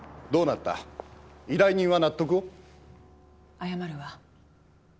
謝るわ。